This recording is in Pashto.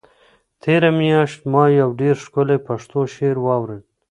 تېره میاشت ما یو ډېر ښکلی پښتو شعر واورېد.